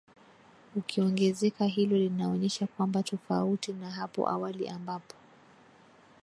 ukiongezeka Hilo linaonyesha kwamba tofauti na hapo awali ambapo